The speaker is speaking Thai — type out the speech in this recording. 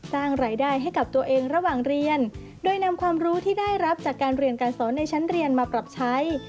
สร้างรายได้ให้กับตัวเองระหว่างเรียนโดยนำความรู้ที่ได้รับจากการเรียนการสอนในชั้นเรียนมาปรับใช้